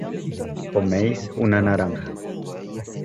coméis una naranja